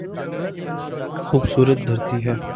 خوبصورت دھرتی ہے۔